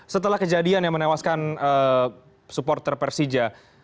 setelah kejadian yang menewaskan supporter persija